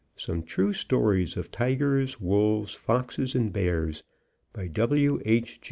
SOME TRUE STORIES OF TIGERS, WOLVES, FOXES AND BEARS By W. H.